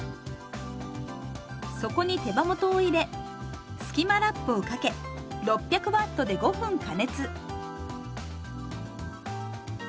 そこに手羽元を入れスキマラップをかけ６００Ｗで５分加熱。